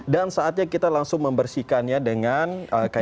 dan saatnya kita langsung membersihkannya dengan kayak mikrofon